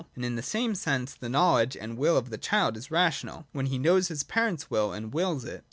And in the same sense, the knowledge and will of the child is rational, when he knows his parents' will, and wills it.